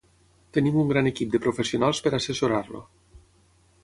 tenim un gran equip de professionals per assessorar-lo